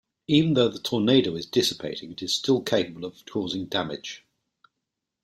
Even though the tornado is dissipating, it is still capable of causing damage.